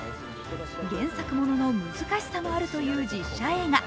原作ものの難しさもあるという実写映画。